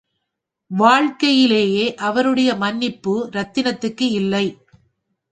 வாழ்க்கையிலே அவருடைய மன்னிப்பு ரத்தினத்துக்கு இல்லை.